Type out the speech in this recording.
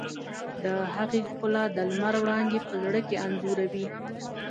د هغې ښکلا د لمر وړانګې په زړه کې انځوروي.